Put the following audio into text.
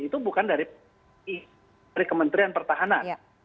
itu bukan dari kementerian pertahanan